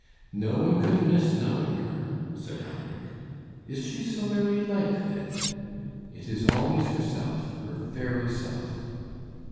"No one could miss knowing her," said Heinrich. "Is she so very like, then?" "It is always herself, her very self."